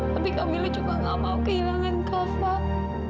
tapi kamila juga gak mau kehilangan kak fad